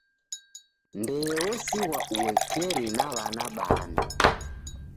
Ndee osighwa uekeri na w'ana bana.